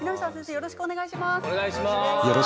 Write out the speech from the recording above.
よろしくお願いします。